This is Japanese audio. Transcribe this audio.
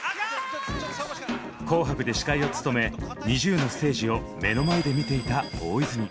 「紅白」で司会を務めＮｉｚｉＵのステージを目の前で見ていた大泉。